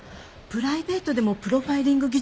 プライベートでもプロファイリング技術って役立つの？